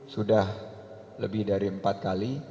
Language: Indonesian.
sudah lebih dari empat kali